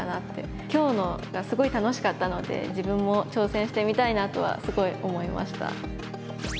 今日のがすごい楽しかったので自分も挑戦してみたいなとはすごい思いました。